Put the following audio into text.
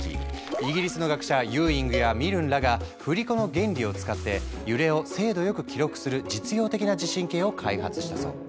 イギリスの学者ユーイングやミルンらが振り子の原理を使って揺れを精度よく記録する実用的な地震計を開発したそう。